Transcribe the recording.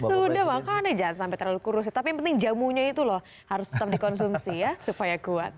sudah makannya jangan sampai terlalu kurus tapi yang penting jamunya itu loh harus tetap dikonsumsi ya supaya kuat